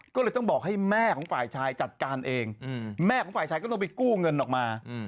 ก็เลยต้องบอกให้แม่ของฝ่ายชายจัดการเองแม่ของฝ่ายชายก็ต้องไปกู้เงินออกมา